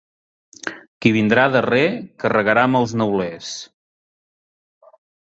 Qui vindrà darrer carregarà amb els neulers.